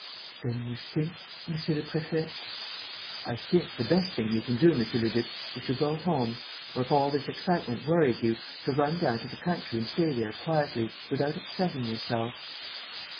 "Then you think, monsieur le préfet ...?" "I think the best thing you can do, monsieur le duc, is to go home, or, if all this excitement worries you, to run down to the country and stay there quietly, without upsetting yourself."